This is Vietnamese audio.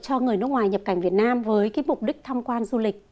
cho người nước ngoài nhập cảnh việt nam với cái mục đích tham quan du lịch